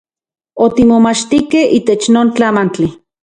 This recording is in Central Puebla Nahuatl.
Otimomachtikej itech non tlamantli.